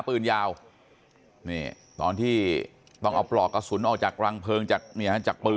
ปืนยาวนี่ตอนที่ต้องเอาปลอกกระสุนออกจากรังเพลิงจากปืน